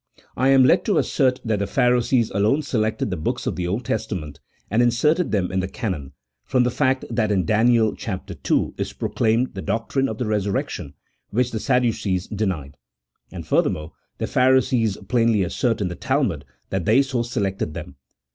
I am led to assert that the Phari sees alone selected the books of the Old Testament, and in serted them in the canon, from the fact that in Daniel ii. is proclaimed the doctrine of the Eesurrection, which the Sadducees denied ; and, furthermore, the Pharisees plainly assert in the Talmud that they so selected them.